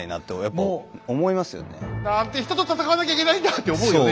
もうなんて人と戦わなきゃいけないんだって思うよね